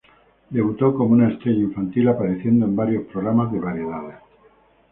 Debutó como una estrella infantil apareciendo en varios programas de variedades.